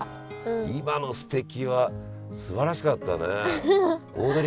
今の「すてき！」はすばらしかったね。